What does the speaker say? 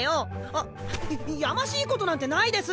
あっ。ややましいことなんてないです！